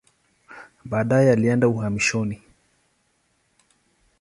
Baadaye alienda uhamishoni.